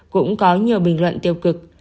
cũng có nhiều bình luận tiêu cực